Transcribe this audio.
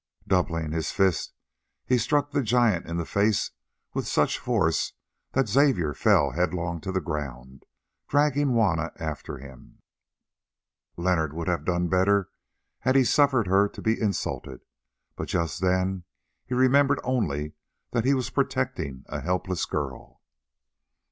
Doubling his fist, he struck the giant in the face with such force that Xavier fell headlong to the ground, dragging Juanna after him. Leonard would have done better had he suffered her to be insulted, but just then he remembered only that he was protecting a helpless girl.